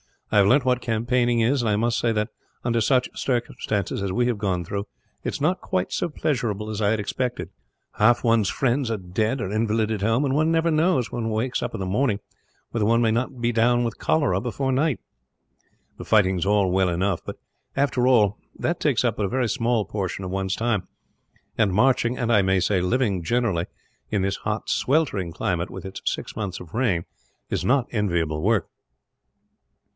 I have learned what campaigning is; and I must say that, under such circumstances as we have gone through, it is not quite so pleasurable as I had expected. Half one's friends are dead or invalided home; and one never knows, when one wakes in the morning, whether one may not be down with cholera before night. The fighting is all well enough but, after all, that takes up but a very small portion of one's time; and marching and, I may say, living generally in this hot, sweltering climate, with its six months of rain, is not enviable work.